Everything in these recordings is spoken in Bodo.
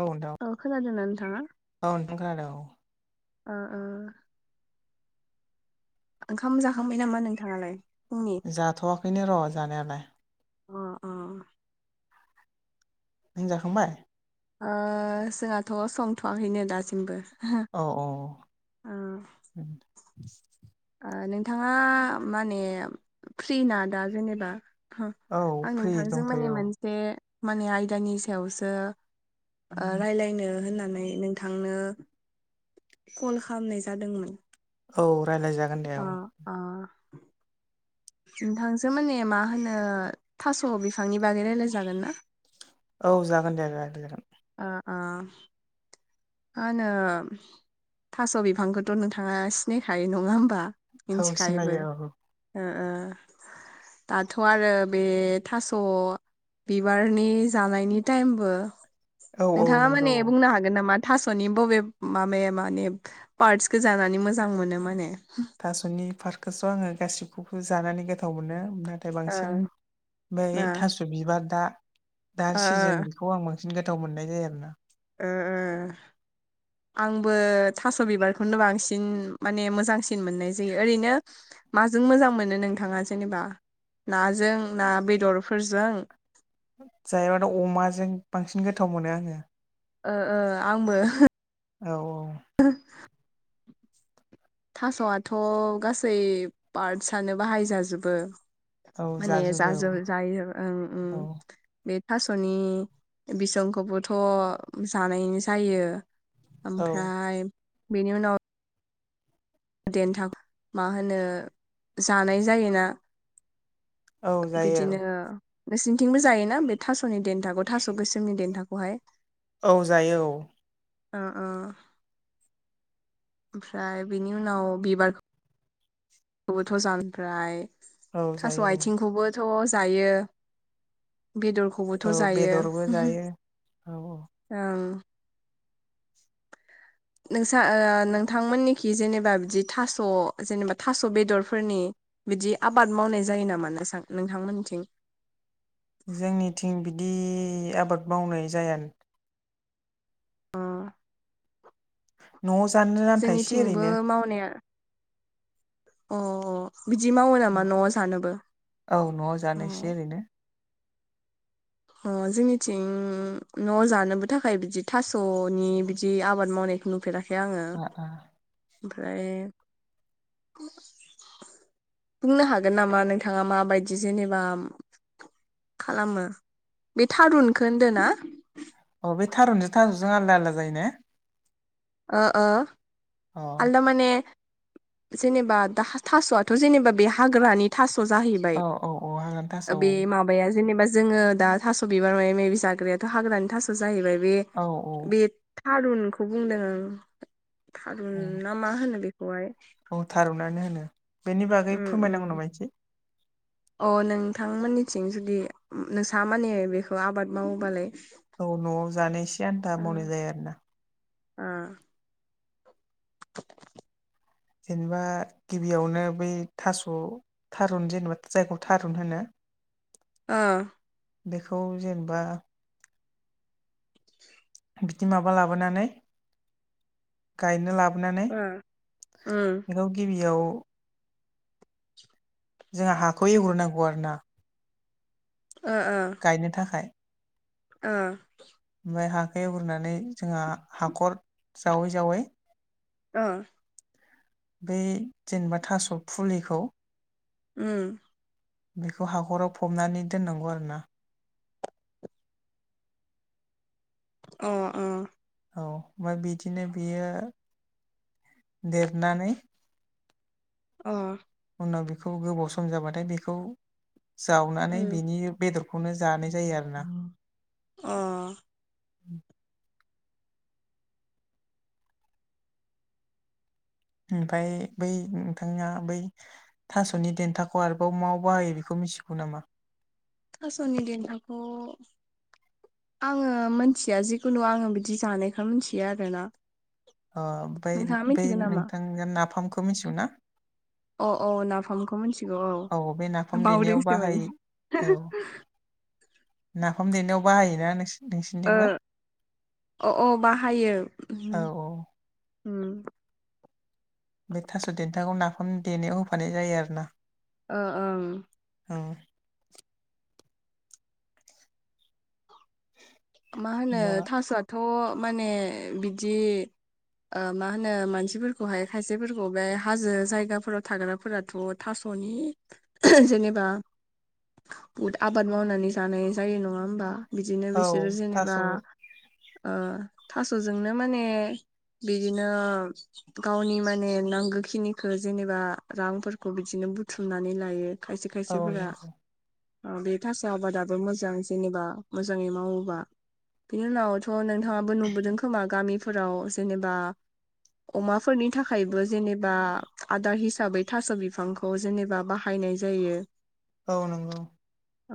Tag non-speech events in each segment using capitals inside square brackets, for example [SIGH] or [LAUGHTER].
औ नोंथां खोनादों ना नोंथाङा? औ नोंथां खोनादों औ ओ ओ ओंखाम जाखांबाय नामा नोंथाङालाय? फुंनि जाथ'वाखैनो र' जानायालाय अ अ नों जाखांबाय? ओ जोंहाथ' संथ'वाखैनो दासिमबो औ ओ औ नोंथाङा माने फ्रि ना दा जेनेबा? आं औ फ्रि नोंथांजों माने दंथ'यो मोनसे माने आयदानि सायावसो रायलायनो होननानै नोंथांनो कल खालामनाय जादोंमोन औ रायलायजागोन दे। औ आ नोंथांजों माने मा होनो थास' बिफांनि बागै रालायजागोन ना? औ जागोन दे जागोन दे जागोन। ओ ओ मा होनो थास' बिफांखौथ' नोंथाङा सिनायखायो नङा होमबा? औ मिन्थिखायोबो सिनायो ओ ओ दाथ' आरो बे थास' बिबारनि जानायनि टाइमबो औ औ नोंथाङा नंगौ माने बुंनो हागोन नामा? थास'नि बबे माबाया माने पार्टसखौ जानानै मोजां मोनो माने। थास'नि पार्कखौस' आंङो गासिखौबो जानानै गोथाव मोनो। थाय ओ बांसिन ओमफ्राय ओ थास' बिबार दा दा ओ सिजोन खौ आं बांसिन गोथाव मोननाय जायो आरोना। ओ ओ। [INAUDIBLE] आंबो थास' बिबारखौनो बांसिन माने मोजांसिन मोननाय जायो ओरैनो माजों मोजां मोनो नोंथाङा जेनेबा नाजों ना बेदरफोरजों? जायोबाथ' अमाजों बांसिन गोथाव मोनो आंङो। ओ ओ आंबो। औ औ। ओ थास'आथ' गासै पार्टसानो बाहाय जाजोबो। औ माने जाजोबो जाजोब जायो ओं औ ओं। बे थास'नि बिसंखौबोथ' जानाय जायो। औ ओमफ्राय बेनि उनाव देन्थाखो मा होनो जानाय जायोना औ जायो बिदिनो नोंसोरनिथिंबो जायोना बे थास'नि देन्थाखौ थास' गोसोमनि देन्थाखौहाय। औ जायो औ। अ अ। ओमफ्राय बिनि उनाव बिबार खौबोथ' जान ओमफ्राय औ थास' जायो आथिंखौबोथ' जायो बेदरखौ औ खौबोथ' जायो बेदरबो जायो औ औ ओं। नोंसा ओ नोंथांमोननिखि जेनेबा बिदि थास' जेनेबा थास' बेदरफोरनि बिदि आबाद मावनाय जायो नामा नोंसा नोंथांमोनथिं? जोंनिथिं बिदि आबाद मावनाय जाया नों अ। न'आव जानो आन्था एसे जोंनिथिंबो ओरैनो मावनाया अ अ बिदि मावो नामा औ न'आव जानोबो? अ एरैनो अ जोंनिथिं न' जानोबो थाखाय बिदि थास'नि बिदि आबाद मावनायखौ नुफेरा खै आंङो ओ ओ ओमफ्राय बुंनो हागोन नामा नोंथाङा माबायदि जेनेबा खालामो बे थारुनखौ होनदो ना? अ बे थारुनजों थास'जों आलदा आलदा जायो ने? ओ ओ अ आलदा माने जेनेबा दा थास'आथ' जेनेबा बे हाग्रानि थास' जाहैबाय औ औ औ हाग्रानि थास' ओ औ बे मा बाया जेनेबा जोङो दा थास' बिबार मायबा मायबि जाग्रायाथ' हाग्रानि थास' जाहैबाय बे औ औ बे थारुनखौ बुंदों आं। थारुन औ ना मा होनो बेखौहाय? औ थारुनानो होनो बेनि बागै उम उम फोरमायनांगौ नामा इसे? अ नोंथांमोननिथिं जुदि नोंसा माने बेखौ आबाद मावोबालाय औ न'आव जानाय एसे आन्था मावनाय जायो आरो ना ओम जेनेबा गिबियावनो बै थास' थारुन जेनेबा जायखौ थारुन होनो [UNINTELLIGIBLE] ओ बेखौ जेनेबा बिदि माबा लाबोनानै गायनो लाबोनानै उम बेखौ गिबियाव जों हाखौ एवग्रोनांगौ आरो ना ओ ओ गायनो थाखाय ओम ओमफ्राय हाखौ एउग्रोनानै जोंहा हाखर जावै जावै ओ बै जेनेबा थास' फुलिखौ ओम बेखौ हाखराव फबनानै दोननांगौ आरो ना। औ औ मा बिदिनो बियो देरनानै अ उनाव बेखौ गोबाव सम जाबाथाय बेखौ जावनानै उम बिनि बेदरखौनो जानाय जायो आरोना। अ ओमफ्राय बै नोंथांना बै थास'नि देन्थाखौ आरोबाव माव बाहायो बेखौ मिथिगौ नामा? थास'नि देन्थाखौ आङो मिथिया जिखुनु आङो बिदि जानायखो मिनथियो आरोना। अ ओमफ्राय नोंथाङा बै मिथिगौ नामा नोंथाङा नाफामखौ मिथिगौ ना? अ अ नाफामखौ मोनथि औ बे नाफाम देनायाव बाहायो नाफाम देनायाव बाहायोना नोंसोर ओ अ अ बाहायो औ उम औ उम बे थास' देन्थाखौ नाफाम देनायाव होफानाय जायो आरो ना। ओ ओ ओं ओं मा होनो होमबा थास'आथ' माने बिदि मा होनो मानसिफोरखौहाय खायसेफोरखौ बे हाजो जायगाफोराव थाग्राफोराथ' थास'नि जेनेबा बहुद आबाद मावनानै जानाय जायो नङा होमबा बिदिनो औ बिसोरो जेनेबा थास' ओ थास'जोंनो माने बिदिनो गावनि माने नांगौखिनिखो जेनेबा रांफोरखौ बिदिनो बुथुमनानै लायो। खायसे औ खायसेफोरा नंगौ ओ बे थास' आबादाबो मोजां जेनेबा मोजाङै मावो बा बिनि उनावथ' नोंथाङाबो नुबोदों खोमा गामिफोराव जेनेबा अमाफोरनि थाखायबो जेनेबा आदार हिसाबै थास' बिफां खौ जेनेबा बाहायनाय जायो। औ नंगौ। औ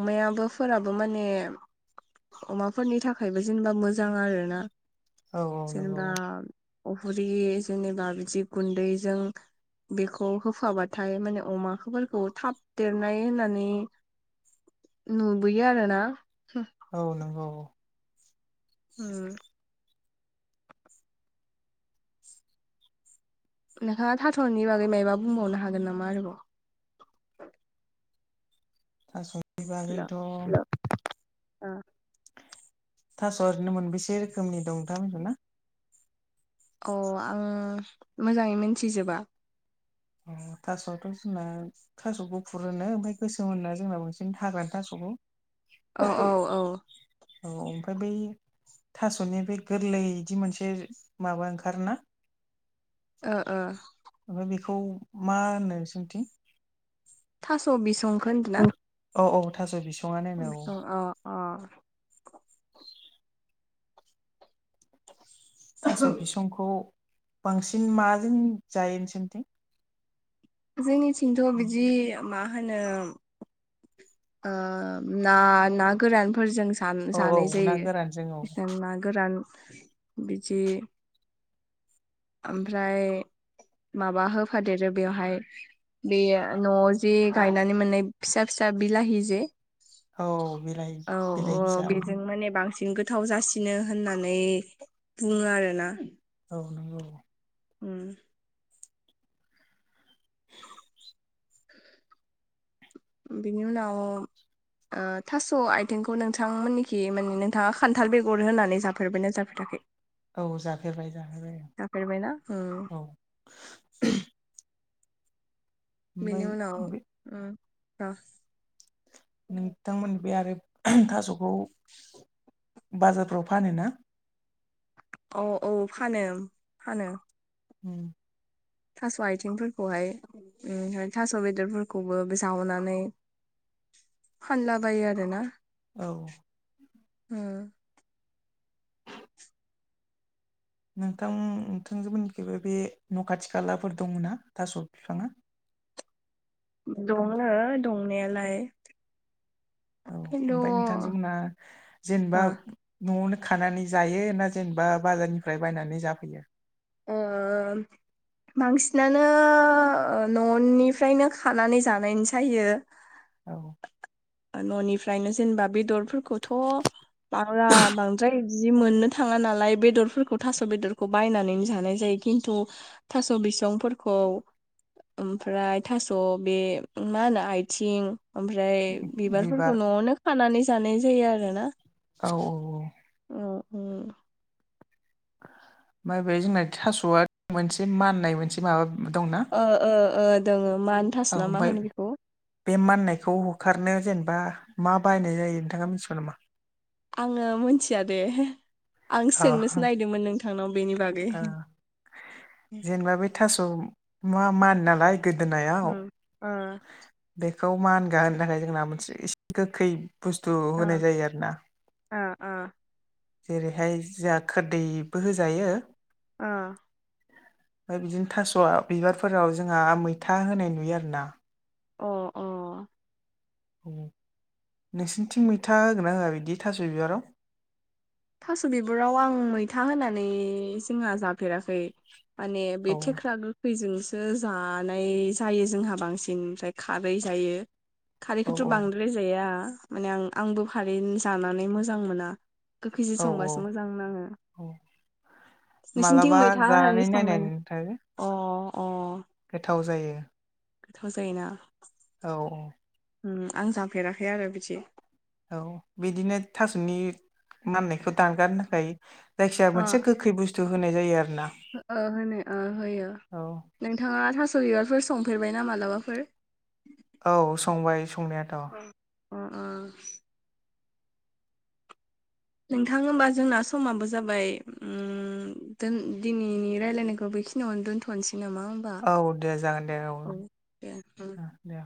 अमायाबो फोराबो माने अमाफोरनि थाखायबो जेनेबा मोजां आरो ना औ औ नंगौ जेनेबा अहुरि जेनेबा बिदि गुन्दैजों बेखौ होफाबाथाय माने अमाफोरखौ थाब देरनाय होननानै नुबोयो आरोना। औ नंगौ औ। ओ। नोंथाङा थास'नि बागै मायबा बुंबावनो हागोन नामा आरोबाव? थास'नि बागैथ' ओ। थास' ओरैनो मोनबेसे रोखोमनि दं नोंथां मिथियो ना? अ आं मोजाङै मोनथिजोबा। अ थासआवथ' जोंना थास' गुफुर होनो ओमफ्राय गोसोम होनो जोंना बांसिन हाग्रानि थास'खौ। औ औ औ। औ ओमफ्राय बै। थास'नि बे गोरलै बिदि मोनसे माबा ओंखारोना। ओ ओ। ओमफ्राय बेखौ मा होनो नोंसिनिथिं? थास' बिसंखौ होनदों ना? औ औ। थास' बिसंङानो होनो औ। बिसं अ अ। थास' बिसंखौ बांसिन माजों जायो नोंसोरथिं। जोंनिथिंथ' बिदि मा होनो। ना ना गोरानफोरजों। औ जानाय औ ना गोरानजों औ जायो ना गोरान बिदि। ओमफ्राय माबा होफादेरो बेवहाय। बे न'आव जे गायनानै मोननाय फिसा फिसा बिलाहि जे। औ बिलाइ औ बिलाइ औ फिसा बेजों माने बांसिन। बिथिं गोथाव जासिनो होननानै बुङो आरोना। औ नंगौ। उम। [INAUDIBLE] बिनि उनाव थास' आइथिंखौ नोंथांमोननिखि माने नोंथांङा खान्थाल बेगर होनानै जाफेरबायना जाफेराखै। औ जाफेरबाय जाफेरबाय जाफेरबायना उम औ। बेनि ओमफ्राय उनाव बे र नोंथांमोन बे आरो थास'खौ बाजारफ्राव फानो ना। औ औ। फानो फानो उम। थास' आथिंफोरखौहाय थास' बेदरफोरखौबो बे जाहोननानै फानलाबायो आरोना औ। उम। नोंथां नोंथांजों मोननिथिंबो बे न' खाथि खालाफोराव दंङ ना थास' बिफांङा। दङ दंनायालाय। औ खिन्थु ओमफ्राय नोंथांजोंमोनहा जेनेबा ओ न'आवनो खानानै जायो ना जेनेबा बाजारनिफ्राय बायनानै जाफैयो। आ। बांसिनानो न'निफ्रायनो खानानै जानाय जायो। औ। न'निफ्रायनो जेनेबा बेदरफोरखौथ'। बांला बांद्राय बिदि मोननो थाङा नालाय बेदरफोरखौ थास' बेदरखौ बायनानै जानाय जायो। खिन्थु थास' बिसं। फोरखौ ओमफ्राय थास' बे मा होनो आथिं। ओमफ्राय बिबार बिबारफोरखौ न'आवनो खानानै जानाय जायो आरोना। औ औ औ। औ औ। ओम बे जोंना थास'आ मोनसे माननाय मोनसे माबा दंना। ओ ओ ओ दोंङो मान थास' औ ना मा ओमफाय। होनो बेखौ बे माननायखौ होखारनो जेनेबा मा बाहायनाय जायो नोंथाङा मिथिगौ नामा? आंङो मिथिया दे आं सोंनोसो नायगिरदोंमोन नोंथांनाव बेनि बागै। अ जेनेबा बे थास' मा मान नालाय गोदोनायाव अ। बेखौ मानगा होनो थाखाय जोंना मोनसे एसे गोखै बुस्थु ओ होनाय जायो आरो ना ओ जेरैहाय जोंहा खोरदैबो होजायो ओ ओमफ्राय बिदिनो थास' बिबारफोराव जोंहा मैथा होनाय नुयो आरोना अ अ। नोंसनिथिं मैथा होगोन ना होआ बिदि थास' बिबाराव थास' बिबुराव आं मैथा होनानै जोंहा जाफेराखै माने बे औ थुख्रा खैजोंसो जानाय जायो जोंहा बांसिन ओमफ्राय खारै जायो औ खारैखौथ' बांद्राय जाया माने आं-आंबो खारै जानानै मोजां मोना गोखैजों औ संबासो मोजां नाङो। औ नोंसोरनिथिं मालाबा मैथा होनानै जानानै नायनाय संनानै नोंथां अ अ गोथाव जायो। गोथाव जायोना औ औ। ओं आं जाफेराखै आरो बिदि औ बिदिनो थास'नि माननायखौ दानगारनो थाखाय जायखिजाया अ मोनसे गोखै बुस्थु होनाय जायो आरो ना ओ होनो ओ होयो नोंथाङा थास' बिबारफोर संफेरबायना मालाबाफोर? औ संबाय संनायाथ'। अ अ नोंथां होमबा जोंना समाबो जाबाय उम दोन दिनैनि रायलायनायखौ बेखिनियावनो दोन्थ'नोसै नामा औ दे जागोन दे औ दे ओ दे।